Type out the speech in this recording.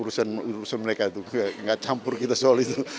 urusan mereka itu nggak campur kita soal itu